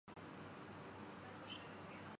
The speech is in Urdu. نوکریاں بھی ملیں گی۔